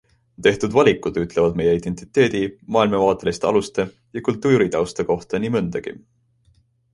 Tehtud valikud ütlevad meie identiteedi, maailmavaateliste aluste ja kultuuritausta kohta nii mõndagi.